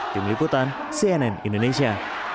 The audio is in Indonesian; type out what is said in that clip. tim liputan cnn indonesia